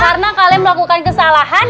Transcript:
karena kalian melakukan kesalahan